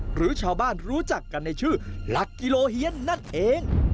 หรือชาวบ้านรู้จักกันในชื่อหลักกิโลเฮียนนั่นเอง